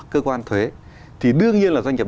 cơ quan thuế thì đương nhiên là doanh nghiệp